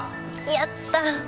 やった！